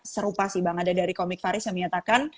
serupa sih bang ada dari komik faris yang menyatakan